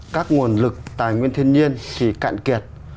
các nguồn lực tài nguyên thiên nhiên thì cạn kiệt